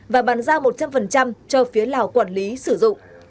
và bán ra một trăm linh cho phía lào quản lý sử dụng